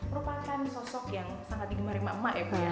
merupakan sosok yang sangat digemari emak emak ya bu ya